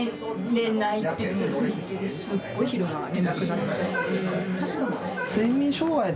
すっごい昼間眠くなっちゃって。